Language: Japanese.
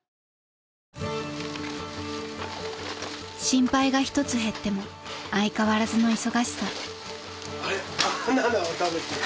［心配が１つ減っても相変わらずの忙しさ］